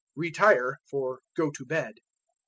Retire for Go to Bed.